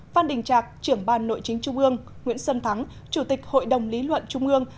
phan đình trạc trưởng ban nội chính trung ương nguyễn sơn thắng chủ tịch hội đồng lý luận trung ương